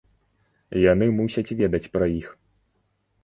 Яны мусяць ведаць пра іх.